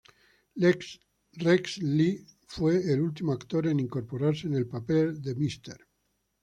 Rex Lee fue el último actor en incorporarse, en el papel de Mr.